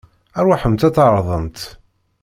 Aṛwaḥemt ad tɛeṛḍemt.